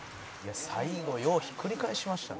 「最後ようひっくり返しましたね」